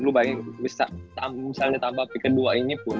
lu bayangin misalnya tanpa pick kedua ini pun